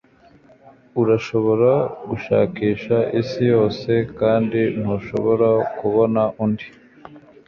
Urashobora gushakisha isi yose kandi ntushobora kubona undi